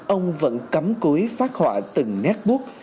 ông vẫn cắm cúi phát họa từng nét bút